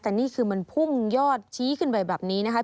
แต่นี่คือมันพุ่งยอดชี้ขึ้นไปแบบนี้นะคะ